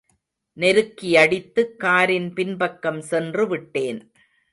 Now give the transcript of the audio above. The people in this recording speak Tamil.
நெருக்கியடித்து காரின் பின்பக்கம் சென்று விட்டேன்.